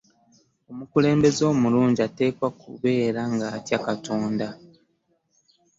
omukulembeze omulungi atekwa okubeera nga atya katonda